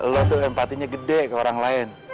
lo tuh empatinya gede ke orang lain